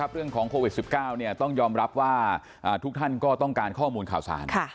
เรื่องของโควิด๑๙ต้องยอมรับว่าทุกท่านก็ต้องการข้อมูลข่าวสาร